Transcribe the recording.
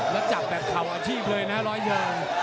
แล้วจับแบบเข่าอาชีพเลยนะร้อยเชิง